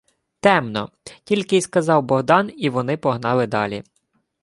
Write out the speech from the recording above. — Темно, — тільки й сказав Богдан, і вони погнали далі.